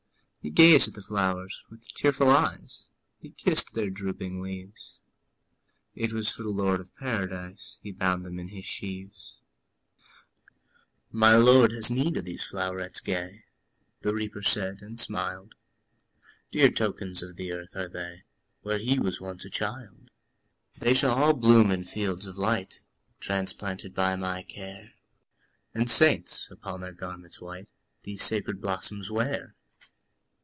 '' He gazed at the flowers with tearful eyes, He kissed their drooping leaves; It was for the Lord of Paradise He bound them in his sheaves. ``My Lord has need of these flowerets gay,'' The Reaper said, and smiled; ``Dear tokens of the earth are they, Where he was once a child. ``They shall all bloom in fields of light, Transplanted by my care, And saints, upon their garments white, These sacred blossoms wear.''